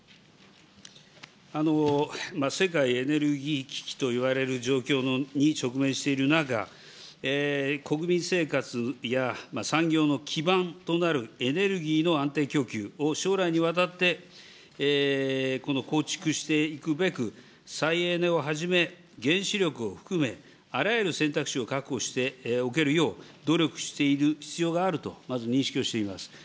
世界エネルギー危機といわれる状況に直面している中、国民生活や産業の基盤となるエネルギーの安定供給を将来にわたって構築していくべく、再エネをはじめ、原子力を含め、あらゆる選択肢を確保しておけるよう、努力している必要があると、まず認識をしています。